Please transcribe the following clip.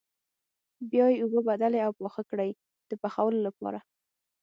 بیا یې اوبه بدلې او پاخه کړئ د پخولو لپاره.